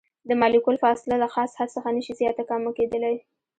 د مالیکول فاصله له خاص حد څخه نشي زیاته کمه کیدلی.